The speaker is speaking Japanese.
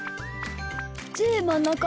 じーまんなか？